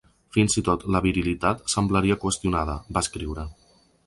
Fins i tot la virilitat semblaria qüestionada, va escriure.